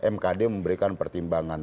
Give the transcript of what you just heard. mkd memberikan pertimbangan